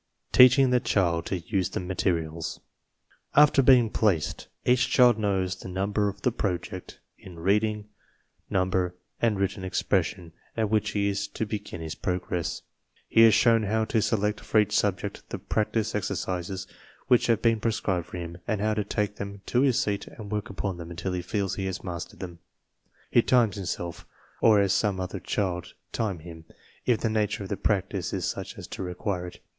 TEACHING THE CHILD TO USE THE MATERIALS After being "placed," each child knows the number of the project in reading, number, and written expres sion at which he is to begin his progress. He is shown how to select for each subject the practice exercises which have been prescribed for him, and how to take them to his seat and work upon them until he feels he has mastered them. He times himself, or has some other child time him, if the nature of the practice is such as to require it.